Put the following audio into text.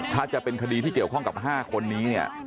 ถ้าจะเป็นคดีที่เกี่ยวข้องกับ๕คนนี้เนี่ย